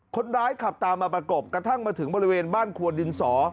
คนร้ายขับตามมาประกบกระทั่งมาถึงบริเวณบ้านควนดินสอ